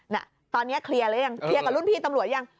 น่ะตอนนี้เคลียร์หรือยังเคลียร์กับรุ่นพี่ตำรวจยัง